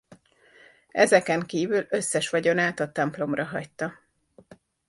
Ezeken kívül összes vagyonát a templomra hagyta.